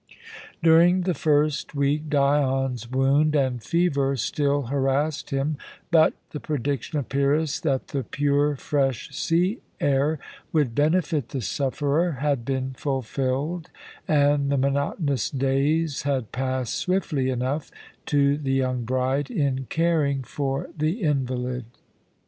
During the first week Dion's wound and fever still harassed him, but the prediction of Pyrrhus that the pure, fresh sea air would benefit the sufferer had been fulfilled, and the monotonous days had passed swiftly enough to the young bride in caring for the invalid.